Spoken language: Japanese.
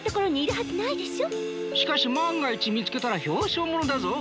しかし万が一見つけたら表彰ものだぞ。